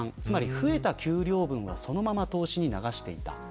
増えた給料分はそのまま投資に流していた。